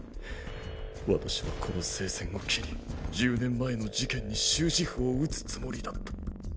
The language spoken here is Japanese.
私はこの聖戦を機に１０年前の事件に終止符を打つつもりだった。